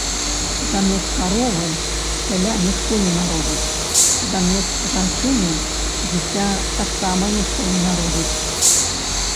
Замест каровы цяля ніхто не народзіць, замест жанчыны дзіця таксама ніхто не народзіць.